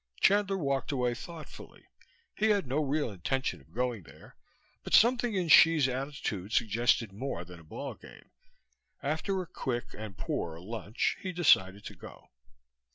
Chandler walked away thoughtfully. He had no real intention of going there, but something in Hsi's attitude suggested more than a ball game; after a quick and poor lunch he decided to go.